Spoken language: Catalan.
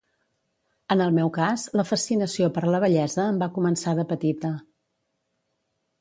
En el meu cas, la fascinació per la bellesa em va començar de petita.